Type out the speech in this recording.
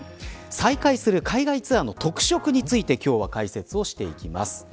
再開する海外ツアーの特色について今日は解説していきます。